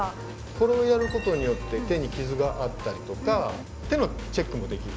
これをやることによって手に傷があったりとか手のチェックもできる。